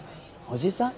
おじさん？